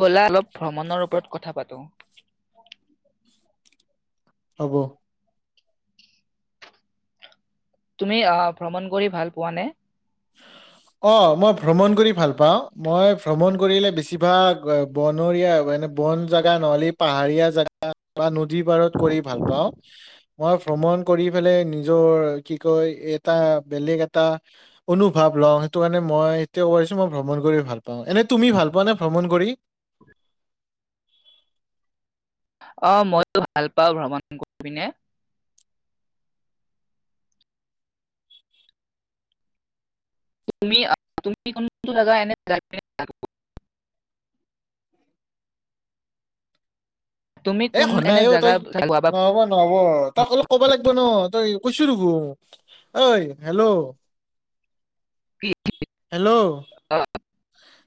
ব'লা অলপ ভ্ৰমণৰ ওপৰত কথা পাতো হ'ব। তুমি অ, ভ্ৰমণ কৰি ভাল পোৱা নে। অ', মই ভ্ৰমণ কৰি ভাল পাওঁ। মই ভ্ৰমণ কৰিলে বেছিভাগ অ, বনৰীয়া এ মানে বন জাগা নহলি, পাহাৰীয়া জাগা বা নদী পাৰত কৰি ভাল পাওঁ। অহ, মই ভ্ৰমণ কৰি ফেলে নিজৰ কি কয় এটা বেলেগ এটা অনুভৱ লও। টো এনে ম‌‌ই, এতিয়া কৈছো মই ভ্ৰমণ কৰি ভাল পাওঁ। এনে তুমি ভাল পোৱা নে ভ্ৰমণ কৰি। অ', মইও ভাল পাওঁ ভ্ৰমণ কৰি পিনে। তুমি অ, তুমি কোনটো জাগা এনে যাই পিনে [unintelligible] তুমি এ কোন হোৱা এনে নাই। অ, জাগা ত‌ই নহ'ব নহ'ব। ত‌ই অলপ কবা লাগিব ন। ত‌ই কৈছো দুহু, ঐ হেল্ল। হেল্ল।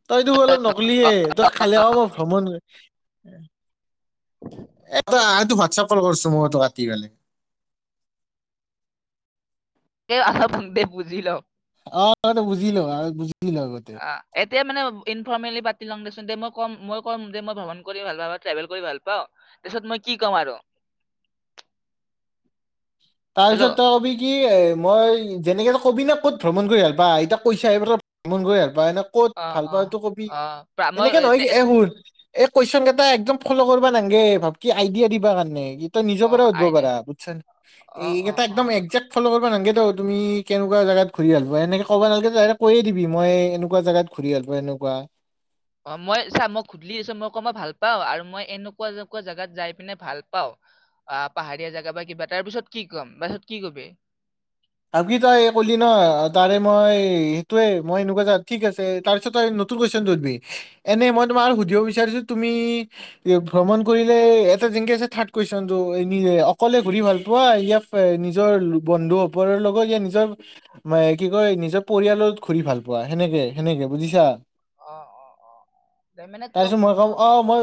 তই দুহু অলপ নকলিয়ে। তই খালি অ, মই ভ্ৰমণ এ, ত‌ই আদ তোক হোৱাটছএপ কল কৰছো, মোক ইতো কাতি পেলে। এ [unintelligible] বুজি ল‌ওঁ। অ, ত‌ই বুজি ল‌ও‍ঁ, আগ বুজি ল আগতে অ', এতিয়া মানে ইনফৰ্মেলি পাত। শ্বিলং গৈছোঁ দে, মই কম-মই কম যে, মই ভ্ৰমণ কৰি ভাল পাওঁ বা ট্ৰেভেল কৰি ভাল পাওঁ। তাৰ পিছত মই কি কম আৰু তাৰপিছত হেল্ল' ত‌ই কবি কি এ মই যেনেকে কবিনা ক'ত ভ্ৰমণ কৰি ভাল পা। এতিয়া কৈছাহে ক'ত ক'ত ভ্ৰমণ কৰি ভা বা এনে ক'ত অ' ভাল পা অ' সিটো কবি। অ' প্ৰা- মই এনেকে নহয় কে এতিয়া- এই শুন এই কুৱেচন কেইটা একদম ফলো কৰবা নাঙগে। ভাব কি আইডিয়া দিবা কাৰণে কি তই নিজৰ পৰা অ' সুধবা আইডি পাৰা। বুজছা না এই অ' কেইটা অ' একদম অ'। একজ্যাক্ট ফলো কৰবা নাঙগে তো, তুমি কেনেকুৱা জাগাত ঘূৰি ভাল পাৱা। এনেকে কবা নালাগে ত‌ই, ত‌ই ডাইৰেক্ট কৈয়ে দিবি। মই এনেকুৱা জাগাত ঘূৰি ভাল পাওঁ। এনেকুৱা অ', মই চা মই সুধলি দেচুন। মই কম অ ভাল পাওঁ আৰু মই এনেকুৱা এনেকুৱা জাগাত যাই পিনে ভাল পাওঁ। আ, পাহাৰীয়া জাগা বা কিবা তাৰ পিছত কি কম, পাছত কি কবি। আব কি তই কলি ন' অ, তাৰে মই সেইটোয়ে মই এনেকুৱা জাগাত ঠিক আছে। তাৰ পিছত তই নতুন কুৱেচনটো সুধবি। এনে মই তোমাক আৰু সুধিব বিচাৰিছো। তুমিই ভ্ৰমণ কৰিলে এতে যেনকে আছে থাৰ্ড কুৱেচনটো নি অকলে ঘূৰি ভাল পোৱা, ইয়া নিজৰ বন্ধু বৰ লগকে নিজৰ, ময় কি কয় নিজৰ পৰিয়ালত ঘূৰি ভাল পোৱা। সেনেকে সেনেকে বুজিছা। অ অ অ দে মানে তোক তাৰপিছত, মই কম অ, মই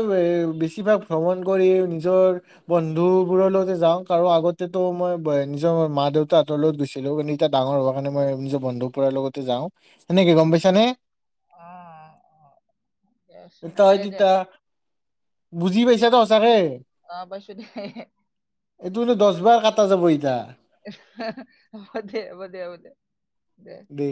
বেছিভাগ ভ্ৰমণ কৰি নিজৰ বন্ধুবোৰৰ লগতে যাওঁ। কাৰো আগতেতো মই ব' নিজৰ মা-দেউতাক তোৰ লগহঁতৰ গৈছিলো। কিন্তু এয়া ডাঙৰ হোৱাৰ কাৰণে মই নিজৰ বন্ধুক পুৰাৰ লগতে যাওঁ। তেনেকে গম পাইছা নে অ অ দেচোন এটা হয় দে দে তিতাহ বুজি পাইছাতো সঁচাকে। অ পাইছো দে এইটো টোহ দশ বাৰ কটা যাব ইতাহ। হ, অহ হ'ব দে, হ'ব দে, হ'ব দে। দে।